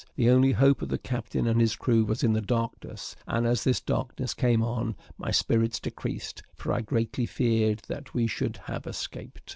The only hope of the captain and his crew was in the darkness; and as this darkness came on, my spirits decreased, for I greatly feared that we should have escaped.